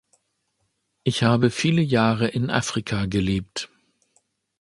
Ich habe viele Jahre in Afrika gelebt.